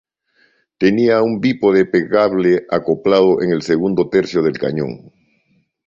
Tenía un bípode plegable acoplado en el segundo tercio del cañón.